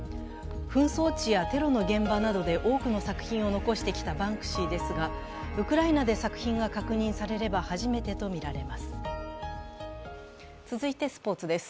紛争地やテロの現場などで多くの作品を残してきたバンクシーですが、ウクライナで作品が確認されれば初めてとみられます。